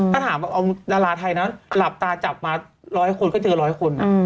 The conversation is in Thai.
ถ้าถามดาราไทยนะหลับตาจับมา๑๐๐คนก็เจอ๑๐๐คน